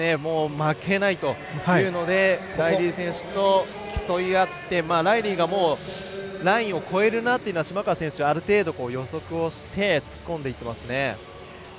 負けないというのでライリー選手と競い合って、ライリーがラインを越えるなというのは島川選手、ある程度予測をして突っ込んでいってますね。